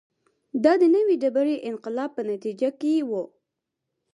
دا د نوې ډبرې انقلاب په نتیجه کې و